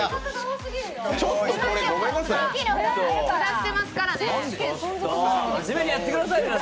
札、捨てますからね。